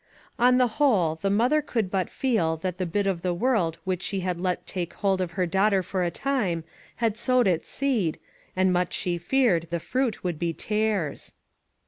On the whole, the mother could but feel that the bit of the world which she had let take hold of her daughter for a time, had sowed its seed, and much she feared the fruit would be tares.